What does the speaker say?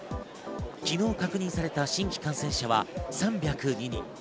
昨日、確認された新規感染者は３０２人。